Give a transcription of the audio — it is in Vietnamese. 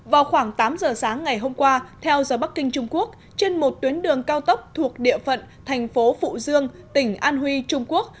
vào khoảng tám giờ sáng ngày hôm qua theo giờ bắc kinh trung quốc trên một tuyến đường cao tốc thuộc địa phận thành phố phụ dương tỉnh an huy trung quốc